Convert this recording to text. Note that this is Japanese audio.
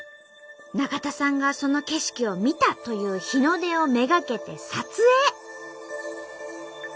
中田さんがその景色を見たという日の出をめがけて撮影。